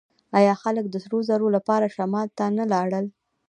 آیا خلک د سرو زرو لپاره شمال ته نه لاړل؟